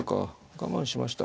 我慢しました。